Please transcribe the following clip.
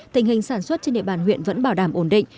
tình hình sản xuất trên địa bàn huyện vẫn bảo đảm ổn định